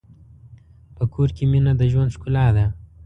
په کور کې مینه د ژوند ښکلا ده.